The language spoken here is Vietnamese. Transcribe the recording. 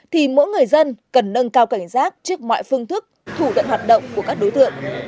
thì mỗi người dân cần nâng cao cảnh giác trước mọi phương thức thủ đoạn hoạt động của các đối tượng